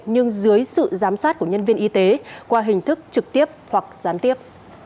nhưng dưới sự giám sát của nhân viên y tế qua hình thức trực tiếp hoặc gián tiếp